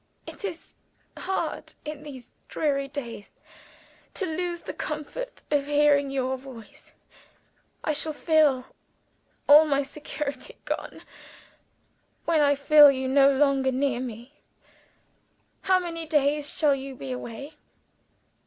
"It is hard, in these dreary days, to lose the comfort of hearing your voice. I shall feel all my security gone, when I feel you no longer near me. How many days shall you be away?"